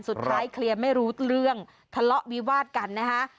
เคลียร์ไม่รู้เรื่องทะเลาะวิวาดกันนะคะ